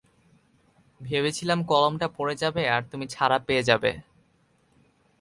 ভেবেছিলাম কলমটা পড়ে যাবে, আর তুমি ছাড়া পেয়ে যাবে।